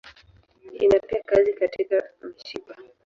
Ina pia kazi katika mishipa.